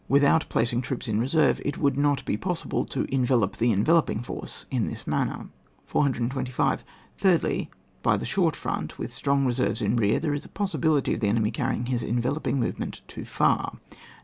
Without placing troops in re serve it would not be possible to envelop the enveloping force in this manner. 425. Thirdly, by the short front, with strong reserves in rear, there is a pos sibility of the enemy carrying his en veloping movement too far (No.